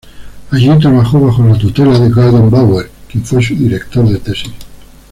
Allí trabajó bajo la tutela de Gordon Bower, quien fue su director de tesis.